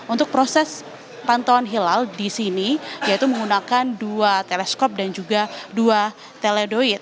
untuk proses pantauan hilal di sini yaitu menggunakan dua teleskop dan juga dua teledoid